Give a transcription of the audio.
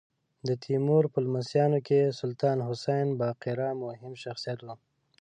د تیمور په لمسیانو کې سلطان حسین بایقرا مهم شخصیت و.